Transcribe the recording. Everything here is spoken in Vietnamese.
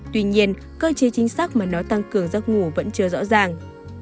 tuy nhiên cơ chế chính sách mà nó tăng cường giấc ngủ vẫn chưa rõ ràng